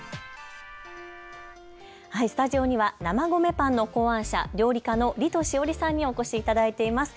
スタジオには生米パンの考案者、料理家のリト史織さんにお越しいただいています。